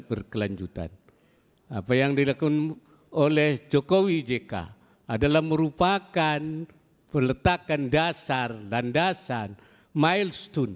berkelanjutan apa yang dilakukan oleh jokowi jk adalah merupakan peletakan dasar landasan milestone